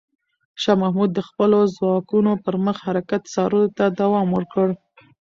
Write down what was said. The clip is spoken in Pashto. شاه محمود د خپلو ځواکونو پر مخ حرکت څارلو ته دوام ورکړ.